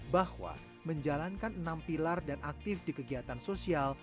bahwa menjalankan enam pilar dan aktif di kegiatan sosial